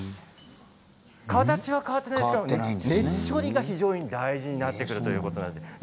形は変わっていないんですけど熱処理が非常に大事になってくるということです。